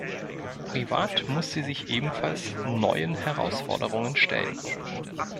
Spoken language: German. Privat muss sie sich ebenfalls neuen Herausforderungen stellen.